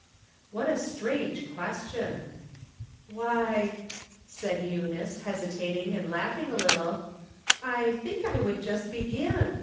What a strange question I " Why," said Eunice, hesitating," and laughing a little, " I think I would just begin.